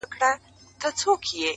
ساده توب د ذهن دروندوالی کموي